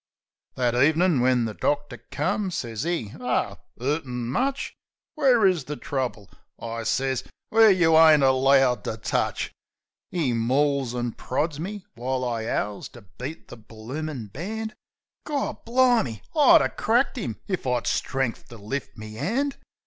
That ev'nin', when the doctor come, sez 'e, "Ah ! 'Urtin' much? Where is the trouble?" I sez, "Where you ain't allowed to touch!" 'E mauls an' prods me while I 'owls to beat the bloomin' band. Gawbli'me ! I'd 'a' cracked 'im if I'd strength to lift me 'and.